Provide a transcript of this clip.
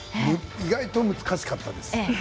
意外と難しかったです。